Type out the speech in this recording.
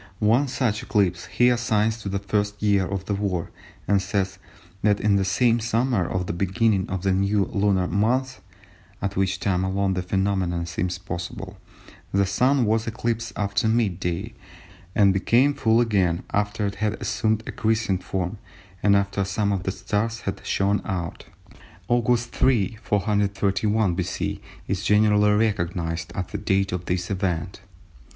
One such eclipse he assigns to the first year of the war and says that "in the same summer, at the beginning of a new lunar month (at which time alone the phenomenon seems possible) the Sun was eclipsed after mid day, and became full again after it had assumed a crescent form and after some of the stars had shone out." Aug. 3, 431 B.C. is generally recognised as the date of this event.